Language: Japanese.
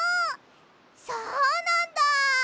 そうなんだ！